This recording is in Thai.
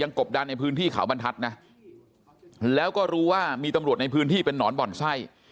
กบดันในพื้นที่เขาบรรทัศน์นะแล้วก็รู้ว่ามีตำรวจในพื้นที่เป็นนอนบ่อนไส้